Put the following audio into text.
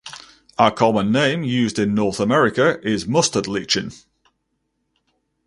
A common name used in North America is "mustard lichen".